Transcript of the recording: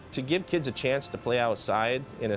jika mereka meminta mereka akan meminta